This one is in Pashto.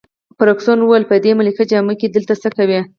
فرګوسن وویل: په دې ملکي جامو کي دلته څه کوي؟